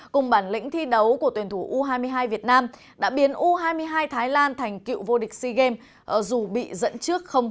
cùng bản lĩnh thi đấu của tuyển thủ u hai mươi hai việt nam đã biến u hai mươi hai thái lan thành cựu vô địch sea games